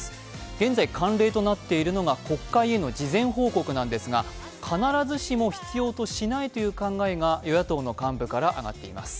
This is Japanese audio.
現在慣例となっているのが国会への事前報告ですが、必ずしも必要としないという考えが与野党の幹部から上がっています。